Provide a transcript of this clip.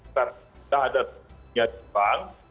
kita ada rekening di bank